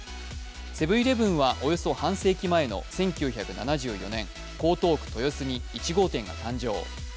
セブン−イレブンはおよそ半世紀前の１９７４年、江東区豊洲に１号店が誕生。